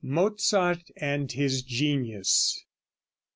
MOZART AND HIS GENIUS.